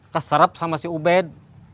keserep sama si ubed